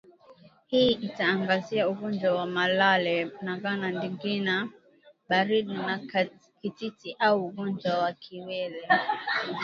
hii itaangazia ugonjwa wa malale Nagana ndigana baridi na kititi au ugonjwa wa kiwele